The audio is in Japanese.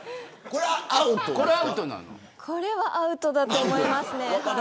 これはアウトだと思います。